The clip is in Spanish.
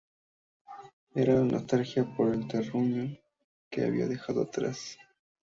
Era la nostalgia por el terruño que había dejado atrás.